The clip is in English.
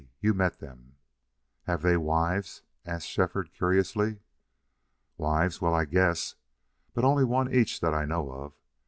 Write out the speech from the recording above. You met them." "Have they wives?" asked Shefford, curiously. "Wives! Well, I guess. But only one each that I know of.